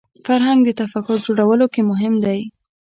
فرهنګ د تفکر جوړولو کې مهم دی